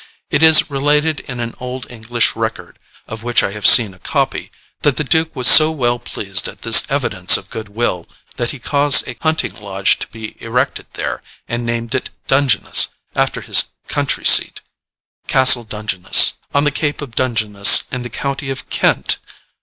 It is related in an old English record, of which I have seen a copy, that the duke was so well pleased at this evidence of good will that he caused a hunting lodge to be erected there, and named it Dungeness, after his country seat, Castle Dungeness, on the cape of Dungeness in the county of Kent.